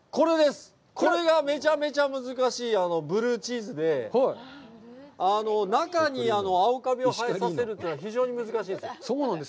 これがめちゃめちゃ難しいブルーチーズで、中に青かびをはえさせるというのは非常に難しいんです。